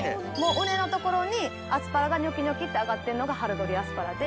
畝の所にアスパラがニョキニョキって上がってんのが春採りアスパラで。